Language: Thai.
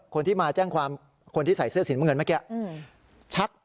คนที่มาแจ้งความคนที่ใส่เสื้อสินเมืองเมื่อกี้